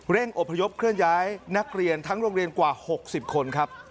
อบพยพเคลื่อนย้ายนักเรียนทั้งโรงเรียนกว่า๖๐คนครับ